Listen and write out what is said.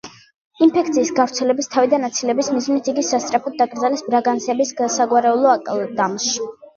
ინფექციის გავრცელების თავიდან აცილების მიზნით იგი სასწრაფოდ დაკრძალეს ბრაგანსების საგვარეულო აკლდამაში.